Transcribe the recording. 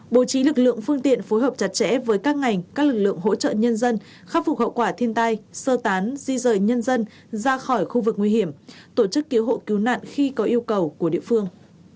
bố trí lực lượng phương tiện phối hợp chặt chẽ với các ngành các lực lượng hỗ trợ nhân dân khắc phục hậu quả thiên tai sơ tán di rời nhân dân ra khỏi khu vực nguy hiểm tổ chức cứu hộ cứu nạn khi có yêu cầu của địa phương